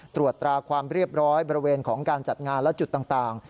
ตรวจตราความเรียบร้อยบริเวณของการจัดงานและจุดต่าง